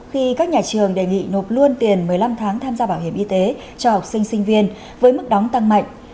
khi các nhà trường đề nghị nộp luôn tiền một mươi năm tháng tham gia bảo hiểm y tế cho học sinh sinh viên với mức đóng tăng mạnh